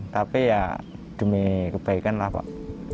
tapi ya demi kebaikan lah pak